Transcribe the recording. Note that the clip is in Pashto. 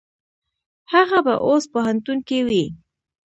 هغه به اوس پوهنتون کې وي.